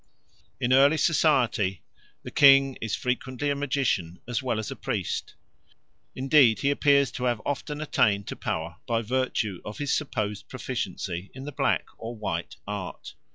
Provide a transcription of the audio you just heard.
In early society the king is frequently a magician as well as a priest; indeed he appears to have often attained to power by virtue of his supposed proficiency in the black or white art.